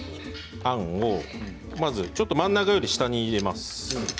あんを真ん中より下に入れます。